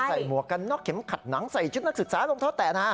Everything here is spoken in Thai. หมวกกันน็อกเข็มขัดหนังใส่ชุดนักศึกษารองเท้าแตะนะฮะ